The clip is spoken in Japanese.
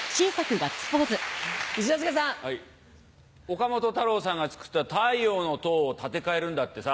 岡本太郎さんが作った太陽の塔を建て替えるんだってさ。